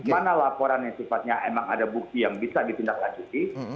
mana laporan yang sifatnya emang ada bukti yang bisa ditindaklanjuti